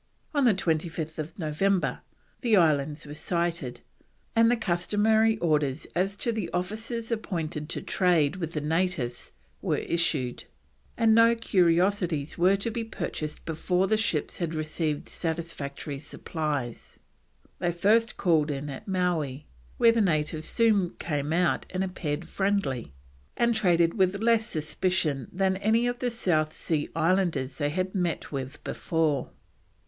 On 25th November the islands were sighted, and the customary orders as to the officers appointed to trade with the natives were issued, and no curiosities were to be purchased before the ships had received satisfactory supplies. They first called in at Mowee, where the natives soon came out and appeared friendly, and traded with less suspicion than any of the South Sea Islanders they had met with before.